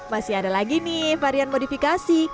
masih ada lagi nih varian modifikasi